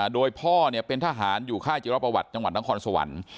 โดยพ่อเป็นทหารอยู่ค่ายจิรประวัติจังหวัดนครสวรรค์